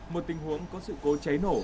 một tình huống có sự cố cháy nổ